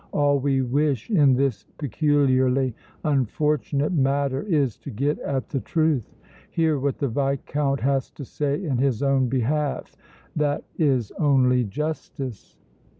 All we wish in this peculiarly unfortunate matter is to get at the truth. Hear what the Viscount has to say in his own behalf that is only justice!"